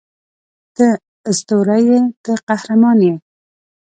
ته اسطوره یې ته قهرمان یې